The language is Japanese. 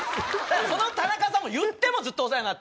その田中さんもいってもずっとお世話になってるんで。